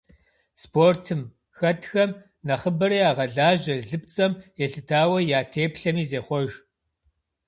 Спортым хэтхэм нэхъыбэрэ ягъэлажьэ лыпцӏэм елъытауэ я теплъэми зехъуэж.